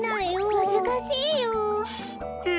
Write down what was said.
むずかしいよ。は